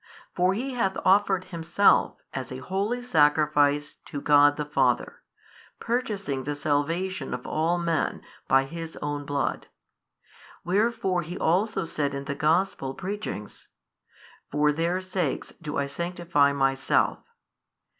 For He hath offered Himself as a Holy Sacrifice to God the Father, purchasing the salvation of all men by His Own Blood. Wherefore He also said in the Gospel preachings, For their sakes do I sanctify Myself.